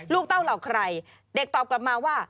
เต้าเหล่าใครเด็กตอบกลับมาว่า